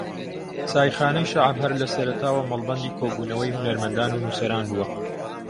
چایخانەی شەعب ھەر لە سەرەتاوە مەڵبەندی کۆبونەوەی ھونەرمەندان و نووسەران بووە